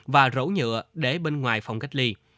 và rổ nhựa để bên ngoài phòng cách ly